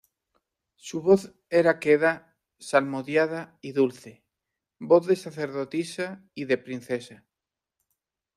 su voz era queda, salmodiada y dulce, voz de sacerdotisa y de princesa.